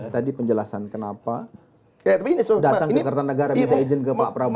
tadi penjelasan kenapa datang ke kertanegara minta izin ke pak prabowo